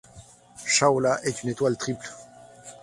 Shaula est une étoile triple.